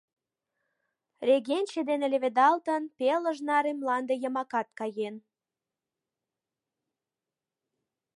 Регенче дене леведалтын, пелыж наре мланде йымакат каен.